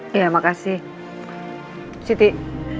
kita ke rumah sakit